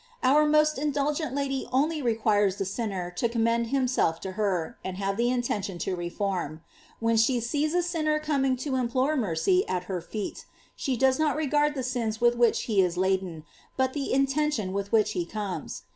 J Our most indulgent lady only re quires the sinner to commend himself to her, and have the intention to reform. When she sees a sinner coming to implore mercy at her feet, she does not regard the sins with which he is laden, but the intention with which he comes.